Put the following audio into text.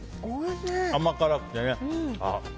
甘辛くてね。